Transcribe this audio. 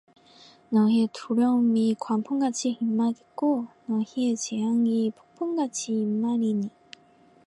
너희의 두려움이 광풍같이 임하겠고 너희의 재앙이 폭풍같이 임하리니